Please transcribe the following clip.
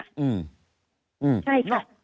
ใช่ค่ะ